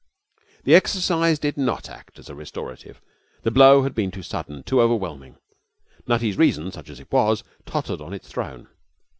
The exercise did not act as a restorative. The blow had been too sudden, too overwhelming. Nutty's reason such as it was tottered on its throne.